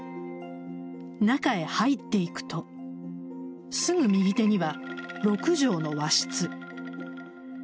中へ入っていくとすぐ右手には６畳の和室。